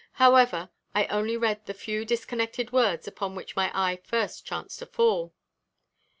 However, I only read the few disconnected words upon which my eye first chanced to fall."